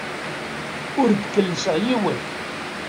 Ur d-kellseɣ yiwen.